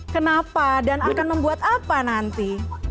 kenapa dan akan membuat apa nanti